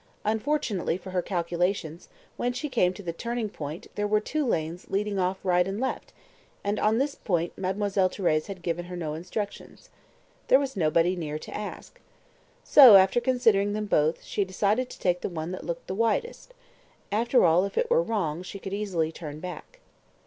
Unfortunately for her calculations, when she came to the turning point there were two lanes leading off right and left, and on this point Mademoiselle Thérèse had given her no instructions. There was nobody near to ask. So, after considering them both, she decided to take the one that looked widest. After all, if it were wrong, she could easily turn back.